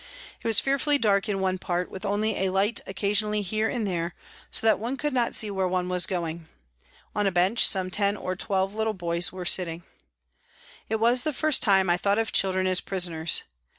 It was fearfully dark in one part, with only a light occasionally here and there, so that one could not see where one was going. On a bench, some ten or twelve little boys were sitting. 266 PRISONS AND PRISONERS It was the first time I thought of children as prisoners.